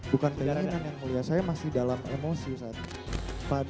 bukan penginginan yang mulia saya masih dalam emosi saat pada saat itu saya gak